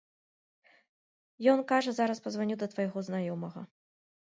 Ён кажа, зараз пазваню да твайго знаёмага.